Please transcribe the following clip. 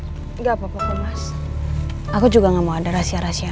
telepon mirna mau keangkat maaf ya enggak papa aku juga enggak mau ada rahasia rahi